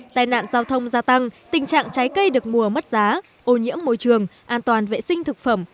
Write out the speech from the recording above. tai nạn giao thông gia tăng tình trạng trái cây được mùa mất giá ô nhiễm môi trường an toàn vệ sinh thực phẩm